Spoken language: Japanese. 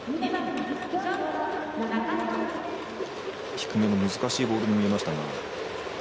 低めの難しいボールに見えましたが。